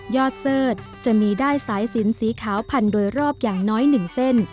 ยอดเซิร์ตจะมีได้สายสินสีขาวผันโดยรอบอย่างน้อยหนึ่งเส้น